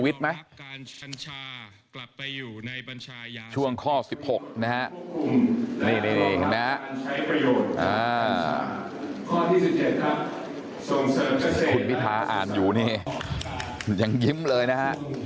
วิทย์ไหมช่วงข้อ๑๖นะคุณพิท้าอ่านอยู่นี่ยังยิ้มเลยนะ